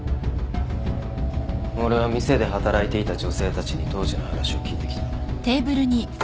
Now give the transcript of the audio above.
俺は店で働いていた女性たちに当時の話を聞いてきた。